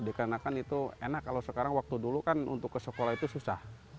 dikarenakan itu enak kalau sekarang waktu dulu kan untuk ke sekolah itu susah